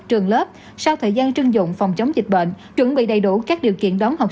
trường lớp sau thời gian trưng dụng phòng chống dịch bệnh chuẩn bị đầy đủ các điều kiện đón học